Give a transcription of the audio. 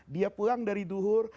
dia pulang dari duhur